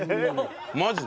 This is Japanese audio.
マジで？